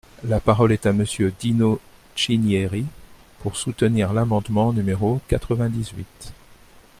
La parole est à Monsieur Dino Cinieri, pour soutenir l’amendement numéro quatre-vingt-dix-huit.